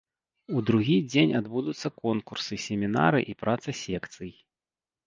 У другі дзень адбудуцца конкурсы, семінары і праца секцый.